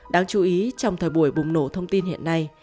đáng chú ý trong thời buổi bùng nổ thông tin hiện nay